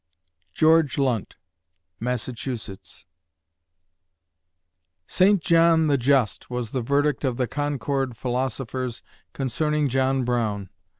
GEORGE LUNT (Massachusetts) "Saint John the Just" was the verdict of the Concord philosophers concerning John Brown.